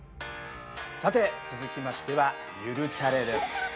さて続きましては「ゆるチャレ」です。